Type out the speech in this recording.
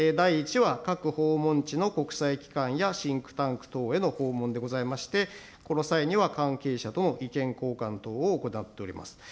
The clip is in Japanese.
るいけいでございますけれども、第１は各訪問地の国際機関やシンクタンク等への訪問でございまして、この際には関係者との意見交換等を行っております。